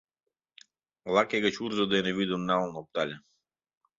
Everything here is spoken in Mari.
Лаке гыч урзо дене вӱдым налын оптале.